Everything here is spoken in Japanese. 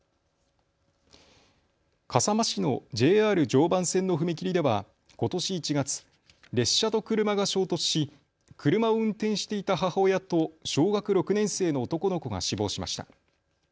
笠間市のＪＲ常磐線の踏切ではことし１月、列車と車が衝突し車を運転していた母親と小学６年生の男の子が死亡しました。